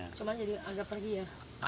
cuma jadi agak pergi ya